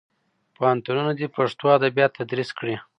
پوهنتونونه دې پښتو ادبیات تدریس کړي.